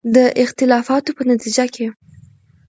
د اختلافاتو په نتیجه کې